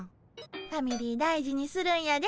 ファミリー大事にするんやで。